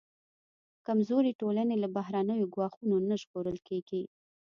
کمزورې ټولنې له بهرنیو ګواښونو نه ژغورل کېږي.